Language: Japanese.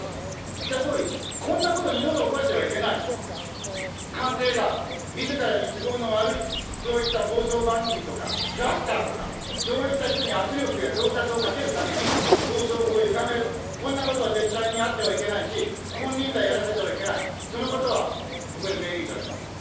岸田総理、こんなこと二度と起こしてはいけないと、官邸がみずからに都合の悪い、そういった放送番組とかキャスターとか、そういった人に圧力やどう喝をかけるために放送法をゆがめる、こんなことは絶対にあってはいけないし、金輪際やらせてはいけない、そのことはここで明言いただけますね。